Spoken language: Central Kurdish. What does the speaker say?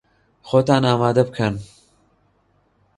خۆتان ئامادە بکەن!